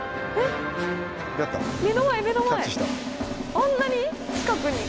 あんなに近くに。